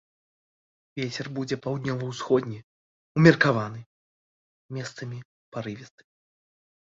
Вецер будзе паўднёва-ўсходні ўмеркаваны, месцамі парывісты.